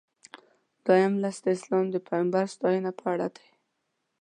دویم لوست د اسلام د پیغمبر ستاینه په اړه دی.